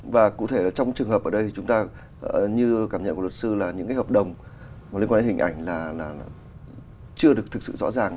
và cụ thể là trong trường hợp ở đây thì chúng ta như cảm nhận của luật sư là những cái hợp đồng liên quan đến hình ảnh là chưa được thực sự rõ ràng